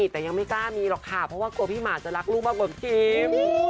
แต่ยังไม่กล้ามีหรอกค่ะเพราะว่ากลัวพี่หมาจะรักลูกมากกว่าคิม